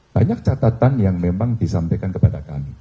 banyak catatan yang memang disampaikan kepada kami